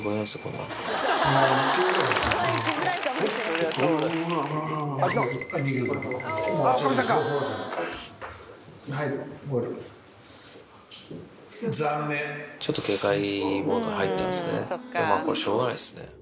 でも、これはしょうがないですね。